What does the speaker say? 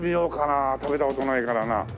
あ食べた事ないからな。